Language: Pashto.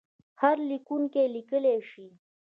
هر لیکونکی یې لیکلای شي.